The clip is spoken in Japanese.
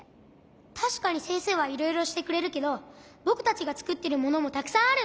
たしかにせんせいはいろいろしてくれるけどぼくたちがつくってるものもたくさんあるんだよ。